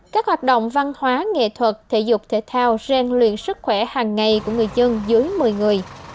các hoạt động văn hóa nghệ thuật thể dục thể thao rèn luyện sức khỏe hàng ngày của người dân dưới một mươi người